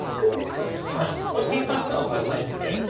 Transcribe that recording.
こう展開するのが大切な一手で。